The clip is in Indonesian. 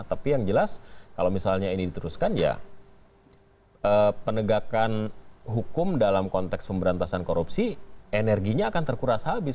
tapi yang jelas kalau misalnya ini diteruskan ya penegakan hukum dalam konteks pemberantasan korupsi energinya akan terkuras habis